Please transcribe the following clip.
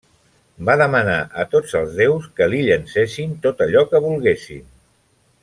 Va demanar a tots els déus que li llencessin tot allò que volguessin.